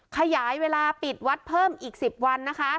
ขยายเวลาปิดวัดเพิ่มอีก๑๐วันนะคะ